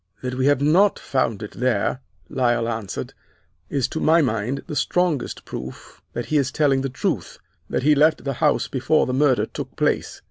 "'That we have not found it there,' Lyle answered, 'is to my mind the strongest proof that he is telling the truth, that he left the house before the murder took place.